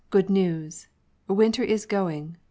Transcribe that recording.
Good news! Winter is going!